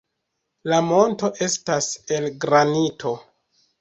La monto estas el granito.